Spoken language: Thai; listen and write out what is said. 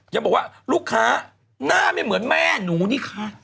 ยังบอกว่าลูกค้าหน้าไม่เหมือนแม่หนูนี่คะ